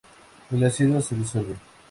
El ácido se disuelve.